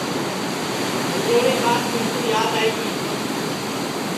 بھولوری ٻات مِسکُو یاد آئی گی